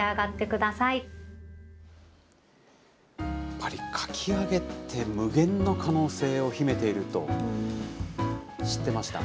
やっぱりかき揚げって、無限の可能性を秘めていると、知ってました？